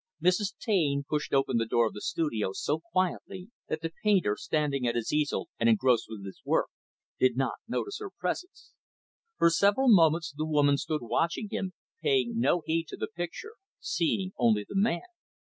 Mrs. Taine pushed open the door of the studio, so quietly, that the painter, standing at his easel and engrossed with his work, did not notice her presence. For several moments the woman stood watching him, paying no heed to the picture, seeing only the man.